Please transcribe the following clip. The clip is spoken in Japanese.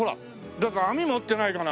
誰か網持ってないかな？